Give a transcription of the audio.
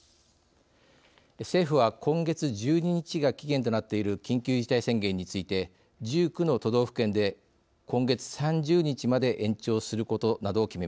政府は今月１２日が期限となっている緊急事態宣言について１９の都道府県で今月３０日まで延長することなどを決めました。